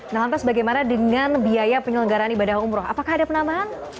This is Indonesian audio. nah lantas bagaimana dengan biaya penyelenggaraan ibadah umroh apakah ada penambahan